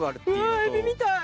うわエビみたい！